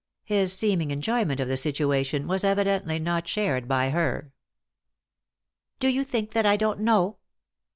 His seeming enjoyment of the situation was evidently not shared by her. " Do yon think that I don't know